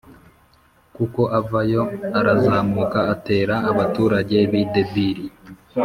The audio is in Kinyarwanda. Nuko avayo arazamuka atera abaturage b’i Debiri